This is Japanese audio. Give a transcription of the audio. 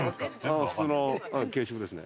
普通の軽食ですね。